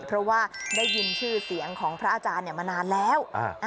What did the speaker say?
เพราะว่าได้ยินชื่อเสียงของพระอาจารย์มานานแล้ว